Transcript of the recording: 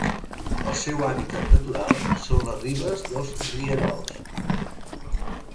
El seu hàbitat natural són les ribes dels rierols.